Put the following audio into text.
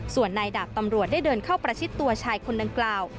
ส่วนนายดาบตำรวจได้เดินเข้าประชิดตัวชายคนดังกล่าว